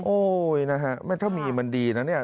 โอ้ยนะฮะถ้ามีมันดีนะเนี่ย